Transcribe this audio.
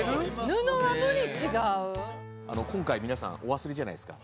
今回皆さんお忘れじゃないですか？